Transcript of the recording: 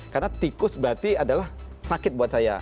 karena tikus berarti adalah sakit buat saya